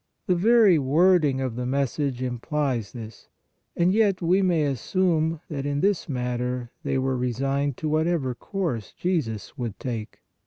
The very wording of the message implies this; and yet we may assume that in this mat ter they were resigned to whatever course Jesus would take.